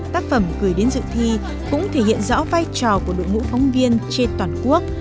tác phẩm gửi đến dự thi cũng thể hiện rõ vai trò của đội ngũ phóng viên trên toàn quốc